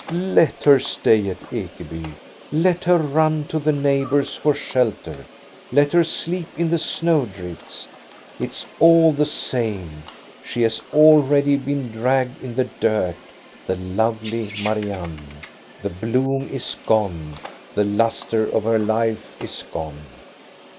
Let her stay at Ekeby, let her run to the neighbors for shelter, let her sleep in the snow drifts ; it 's all the same, she has already been dragged in the dirt, the lovely Mari anne. The bloom is gone. The lustre of her life is gone.